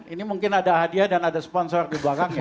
ini mungkin ada hadiah dan ada sponsor di belakangnya